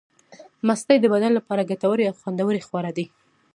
مستې د بدن لپاره ګټورې او خوندورې خواړه دي.